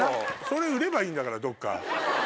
それ売ればいいんだからどっか。